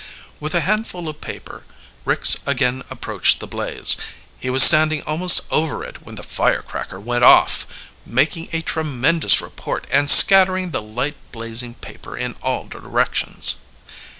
With a handful of paper Ricks again approached the blaze. He was standing almost over it when the firecracker went off, making a tremendous report and scattering the light blazing paper in all directions.